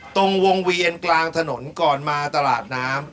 ตรงวงเวียนกลางถนนก่อนมาตลาดน้ำ